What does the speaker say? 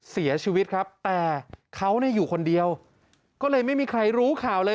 เสียชีวิตครับแต่เขาเนี่ยอยู่คนเดียวก็เลยไม่มีใครรู้ข่าวเลย